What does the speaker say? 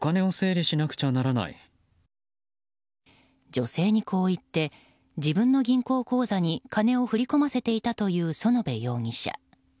女性にこう言って自分の銀行口座に金を振り込ませていたという園部容疑者。